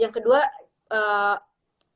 yang kedua pertahanan imunitas